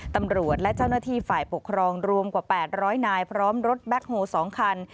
ตำรวจและเจ้าหน้าที่ฝ่ายปกครองรวมกว่า๘๐๐นายพร้อมรถแบ็คโฮ๒คัน